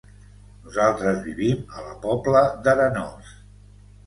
Nosaltres vivim a la Pobla d'Arenós.